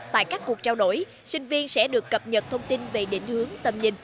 tại các cuộc trao đổi sinh viên sẽ được cập nhật thông tin về định hướng tầm nhìn